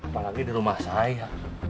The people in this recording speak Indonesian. apalagi di rumah saya